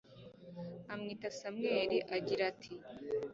amwita samweli, agira ati